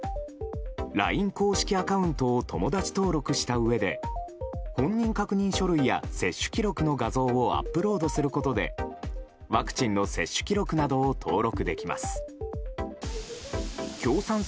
ＬＩＮＥ公式アカウントを友達登録したうえで本人確認書類や接種記録の画像をアップロードすることでワクチンの接種記録などを登録できます。